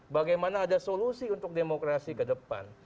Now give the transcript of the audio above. bagaimana ada solusi untuk demokrasi ke depan